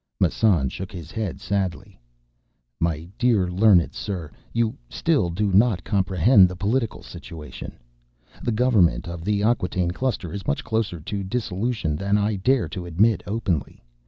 Massan shook his head sadly. "My dear learned sir, you still do not comprehend the political situation. The Government of the Acquataine Cluster is much closer to dissolution than I dare to admit openly.